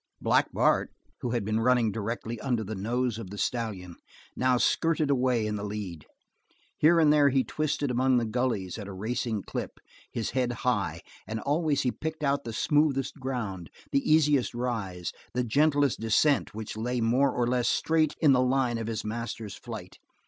Black Bart, who had been running directly under the nose of the stallion, now skirted away in the lead. Here and there he twisted among the gullies at a racing clip, his head high, and always he picked out the smoothest ground, the easiest rise, the gentlest descent which lay more or less straight in the line of his master's flight.